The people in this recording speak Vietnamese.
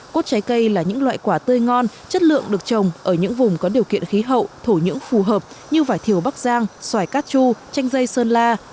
cốt trái cây là những loại quả tươi ngon chất lượng được trồng ở những vùng có điều kiện khí hậu thổ nhưỡng phù hợp như vải thiều bắc giang xoài cát chu chanh dây sơn la